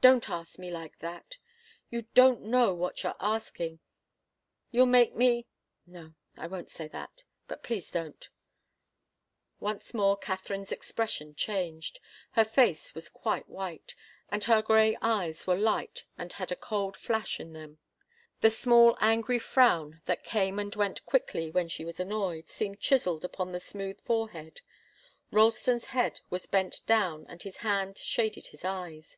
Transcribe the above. "Don't ask me like that. You don't know what you're asking. You'll make me no, I won't say that. But please don't " Once more Katharine's expression changed. Her face was quite white, and her grey eyes were light and had a cold flash in them. The small, angry frown that came and went quickly when she was annoyed, seemed chiselled upon the smooth forehead. Ralston's head was bent down and his hand shaded his eyes.